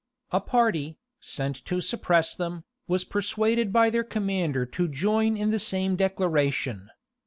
A party, sent to suppress them, was persuaded by their commander to join in the same declaration.